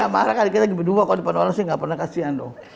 marah kali kita berdua kalau di depan orang sih gak pernah kasihan dong